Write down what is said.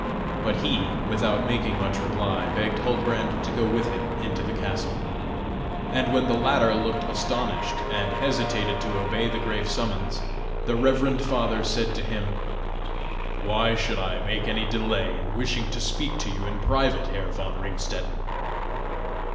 But he, without making much reply, begged Huldbrand to go with him into the castle; and when the latter looked astonished, and hesitated to obey the grave summons, the reverend father said to him: "Why should I make any delay in wishing to speak to you in private, Herr von Ringstetten?